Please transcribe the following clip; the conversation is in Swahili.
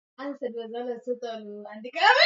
shanga ambazo wakati mwengine huvaliwa na mashujaa